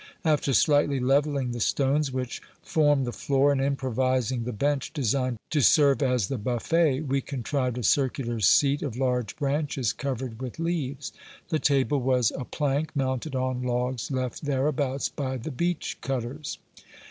After slightly levelling the stones which form the floor, and improvising the bench designed to serve as the buffet, we contrived a circular seat of large branches covered with leaves. The table was a plank mounted on logs left thereabouts by the beech cutters.